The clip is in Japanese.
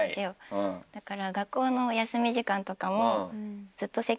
だから。